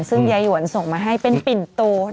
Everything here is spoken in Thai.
ซึ่งยายหวนส่งมาให้เป็นปิ่นโต